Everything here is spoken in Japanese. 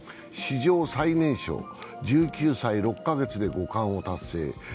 史上最年少１９歳６カ月で五冠達成。